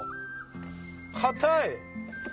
硬い！